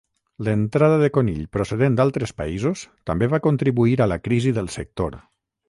L'entrada de conill procedent d'altres països també va contribuir a la crisi del sector.